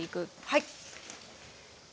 はい。